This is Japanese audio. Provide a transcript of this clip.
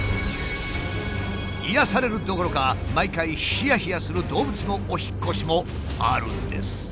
癒やされるどころか毎回ヒヤヒヤする動物のお引っ越しもあるんです。